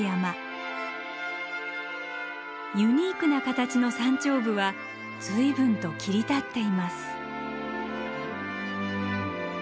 ユニークな形の山頂部は随分と切り立っています。